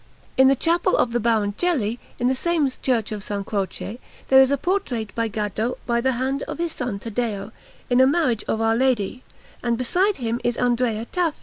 In the Chapel of the Baroncelli, in the same Church of S. Croce, there is a portrait of Gaddo by the hand of his son Taddeo, in a Marriage of Our Lady, and beside him is Andrea Tafi.